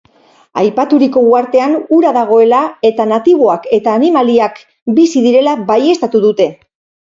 Aipaturiko uhartean ura dagoela eta natiboak eta animaliak bizi direla baieztatu dute.